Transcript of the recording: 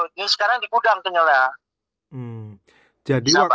ini sekarang di gudang kenyalnya